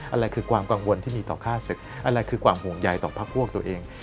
อะไรคือความกังวลที่มีต่อฆ่าศึกอะไรคือความห่วงใยต่อพักพวกตัวเอง